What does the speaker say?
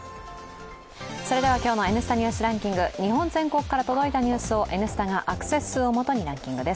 それでは、今日の「Ｎスタ・ニュースランキング」日本全国から届いたニュースを「Ｎスタ」がアクセス数をもとにランキングです。